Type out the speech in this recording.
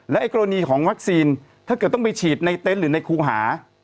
ไอ้กรณีของวัคซีนถ้าเกิดต้องไปฉีดในเต็นต์หรือในครูหา